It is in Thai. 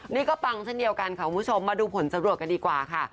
นี่ก็ปังเช่นเดียวกันค่ะคุณผู้ชมมาดูผลสำรวจกันดีกว่าค่ะ